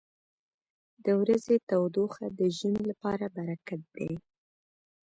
• د ورځې تودوخه د ژمي لپاره برکت دی.